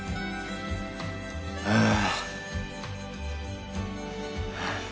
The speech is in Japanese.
ああ！